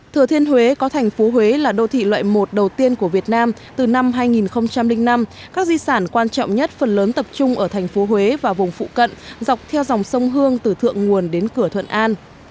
thừa thiên huế có thành phố huế là đô thị loại một đầu tiên của việt nam từ năm hai nghìn năm các di sản quan trọng nhất phần lớn tập trung ở thành phố huế và vùng phụ cận dọc theo dòng sông hương từ thượng nguồn đến cửa thuận an